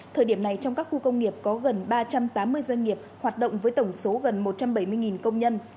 thời điểm này trong các khu công nghiệp có gần ba trăm tám mươi doanh nghiệp hoạt động với tổng số gần một trăm bảy mươi công nhân